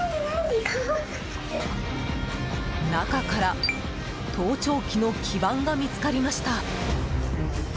中から盗聴器の基板が見つかりました。